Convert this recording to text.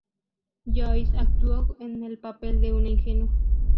Joyce actuó en el papel de una ingenua.